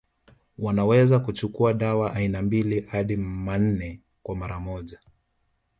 Wanaweza kuchukua dawa aina mbili hadi manne kwa mara moja